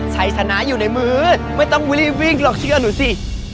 ชัยชนะอยู่ในมือไม่ต้องรีบวิ่งหรอกเชื่อหนูสิ